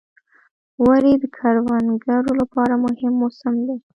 وری د کروندګرو لپاره مهم موسم دی.